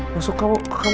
masuk kamu ke kamar